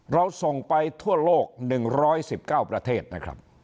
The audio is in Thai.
เราส่งไปทั่วโลก๑๑๙ประเทศนะครับ